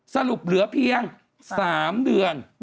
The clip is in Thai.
สรุปเหลือเพียง๓เดือน